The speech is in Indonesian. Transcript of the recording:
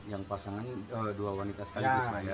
yang pasangan dua wanita sekaligus pak